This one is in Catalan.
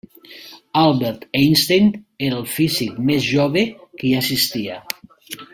Albert Einstein era el físic més jove que hi assistia.